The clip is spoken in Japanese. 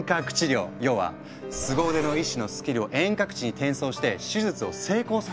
要は凄腕の医師のスキルを遠隔地に転送して手術を成功させちゃうってこと。